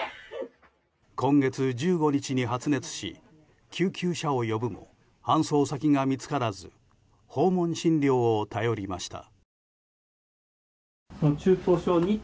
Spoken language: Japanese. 今月１５日に発熱し救急車を呼ぶも搬送先が見つからず訪問診療を頼りました。